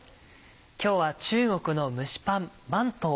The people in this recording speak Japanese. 今日は中国の蒸しパン「まんとう」。